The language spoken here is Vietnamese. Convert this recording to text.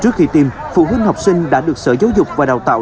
trước khi tìm phụ huynh học sinh đã được sở giáo dục và đào tạo